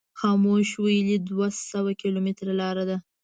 خاموش ویلي دوه سوه کیلومتره لار ده.